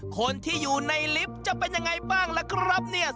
คนที่อยู่ในลิฟต์จะเป็นยังไงบ้างล่ะครับเนี่ย